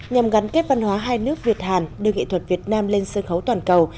nhằm gắn kết văn hóa hai nước việt hàn đưa nghệ thuật việt nam lên sân khấu toàn cầu